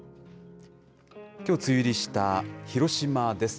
きょう梅雨入りした広島です。